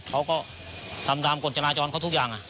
เค้าก็ทำดามกฎจัลล่าฯจอดเค้าทุกอย่าง